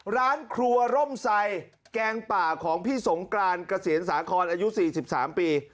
ร้านครัวร่มไซแกงป่าของพี่สงกรานเกษียณสาครอายุ๔๓ปี